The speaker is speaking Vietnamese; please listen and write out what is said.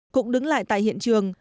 cũng đứng lại tại hiện trường